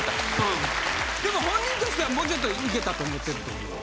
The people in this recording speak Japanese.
でも本人としてはもうちょっといけたと思ってるってことなの？